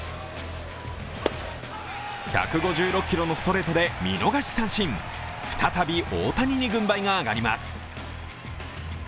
１５６キロのストレートで見逃し三振再び大谷に軍配が上がります。